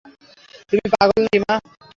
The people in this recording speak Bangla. তুমি পাগল নাকি, মা?